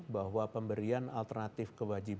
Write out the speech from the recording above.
bahwa pemberian metode testing yang diperlukan oleh masyarakat